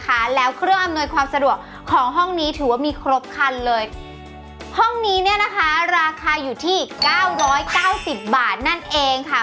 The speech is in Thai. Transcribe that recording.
ค่ะแล้วเครื่องอำนวยความสะดวกของห้องนี้ถือว่ามีครบคันเลยห้องนี้เนี่ยนะคะราคาอยู่ที่เก้าร้อยเก้าสิบบาทนั่นเองค่ะ